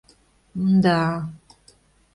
М-мда...